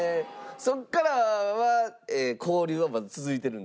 そこからは交流はまだ続いてるんですか？